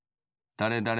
だれだれ